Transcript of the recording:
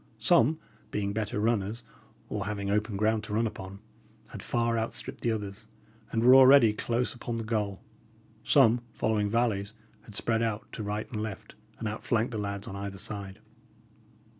Some, being better runners, or having open ground to run upon, had far outstripped the others, and were already close upon the goal; some, following valleys, had spread out to right and left, and outflanked the lads on either side.